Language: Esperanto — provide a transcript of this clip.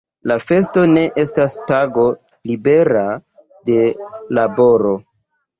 La festo ne estas tago libera de laboro.